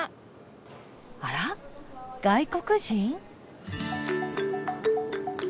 あらっ外国人？